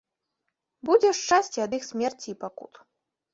Будзе шчасце ад іх смерці і пакут.